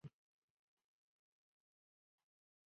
会发生什么事情？